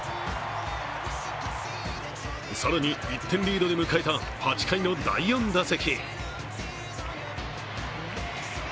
更に１点リードで迎えた８回の第４打席。